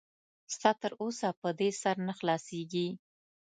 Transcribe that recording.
ستا تر اوسه په دې سر نه خلاصېږي.